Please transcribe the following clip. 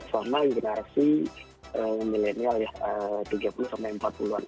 selama generasi milenial ya tiga puluh empat puluh an